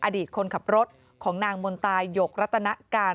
อดีตคนขับรถของนางมนตายกรัตนการ